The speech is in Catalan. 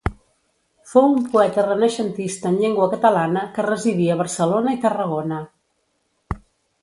Fou un poeta renaixentista en llengua catalana que residí a Barcelona i Tarragona.